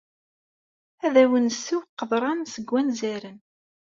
Ad awen-nessew aqeḍran seg wanzaren.